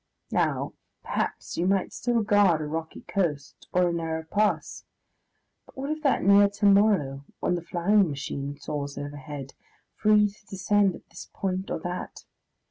Now, perhaps you might still guard a rocky coast or a narrow pass; but what of that near to morrow when the flying machine soars overhead, free to descend at this point or that?